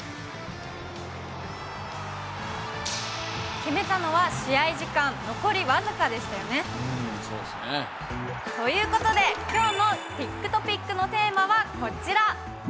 決めたのは試合時間残り僅かでしたよね。ということで、きょうのティックトピックのテーマはこちら。